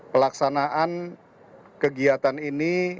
pelaksanaan kegiatan ini